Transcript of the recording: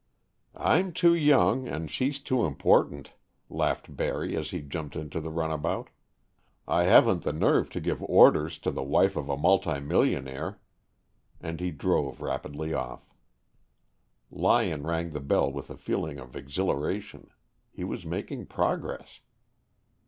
"I'm too young and she's too important," laughed Barry as he jumped into the runabout. "I haven't the nerve to give orders to the wife of a multimillionaire." And he drove rapidly off. Lyon rang the bell with a feeling of exhilaration. He was making progress.